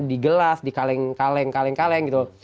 di gelas di kaleng kaleng gitu